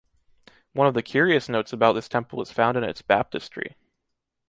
One of the curious notes about this temple is found in its baptistery.